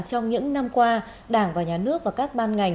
trong những năm qua đảng và nhà nước và các ban ngành